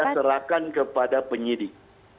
itu saya serahkan kepada penyidik